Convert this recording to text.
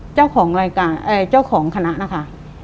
เจ้าของรายการเจ้าของคณะนะคะ